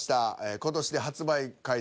今年で発売開始